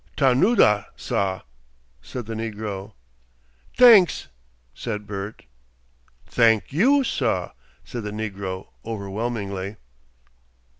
"Tanooda, sah!" said the negro. "Thenks!" said Bert. "Thank YOU, sah!" said the negro, overwhelmingly.